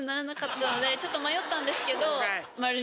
のでちょっと迷ったんですけど。